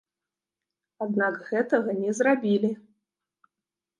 Аднак гэтага не зрабілі.